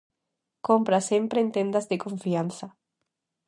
"Compra sempre en tendas de confianza".